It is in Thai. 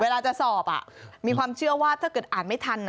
เวลาจะสอบมีความเชื่อว่าถ้าเกิดอ่านไม่ทัน